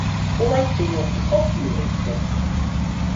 Uaikɨñodɨ jofomo ite.